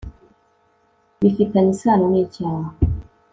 bifitanye isano n icyaha